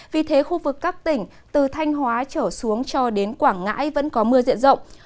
vì thế khu vực các tỉnh từ thanh hóa trở xuống cho đến quảng ngãi vẫn có mưa diện rộng